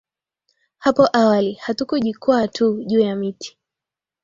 hapo awali Hatukujikwaa tu juu ya miti